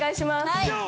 はい。